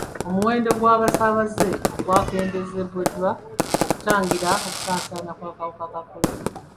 Omuwendo gw'abasaabaze gwakendeezeddwa okutangira okusaasaana kw'akawuka ka kolona.